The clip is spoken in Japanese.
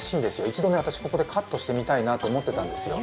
一度ね、私、ここでカットしてみたいなと思ってたんですよ。